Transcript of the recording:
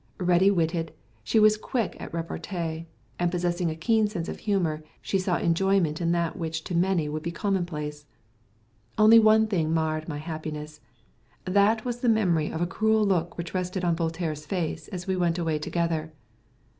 Ready witted, she was quick at repartee; and possessing a keen sense of humour, she saw enjoyment in that which to many would be commonplace. Only one thing marred my happiness. That was the memory of a cruel look which rested on Voltaire's face as we went away together.